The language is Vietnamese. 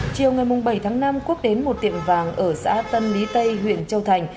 chiều ngày bảy tháng năm quốc đến một tiệm vàng ở xã tân lý tây huyện châu thành